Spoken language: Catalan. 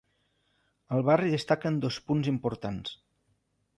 Al barri destaquen dos punts importants.